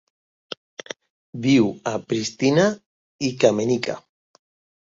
Viu a Pristina i Kamenica.